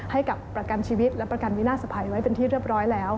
ให้กับประกันชีวิตและประกันวินาศภัยไว้เป็นที่เรียบร้อยแล้ว